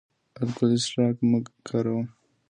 الکولي څښاک مه کاروه